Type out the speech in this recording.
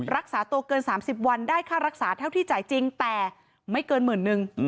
รักษาตัวเกิน๓๐วันได้ค่ารักษาเท่าที่จ่ายจริงแต่ไม่เกินหมื่นนึง